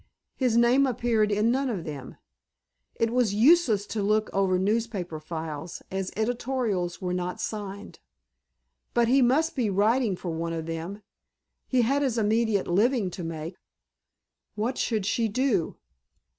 His name appeared in none of them. It was useless to look over newspaper files, as editorials were not signed. But he must be writing for one of them. He had his immediate living to make. What should she do?